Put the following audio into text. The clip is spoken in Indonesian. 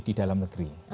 di dalam negeri